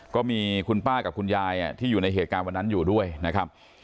ก็มีคุณป้ากับคุณยายที่อยู่ในเหตุการณ์วันนั้นอยู่ด้วยนะครับ